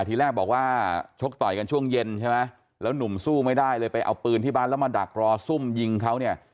ทีแรกบอกว่าชกต่อยกันช่วงเย็นใช่ไหมแล้วหนุ่มสู้ไม่ได้เลยไปเอาปืนที่บ้านแล้วมาดักรอซุ่มยิงเขาเนี่ย